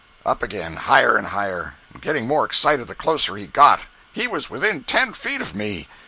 Up again—higher and higher, and getting more excited the closer he got. He was within ten feet of me!